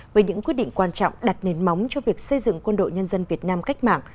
với những quyết định quan trọng đặt nền móng cho việc xây dựng quân đội nhân dân việt nam cách mạng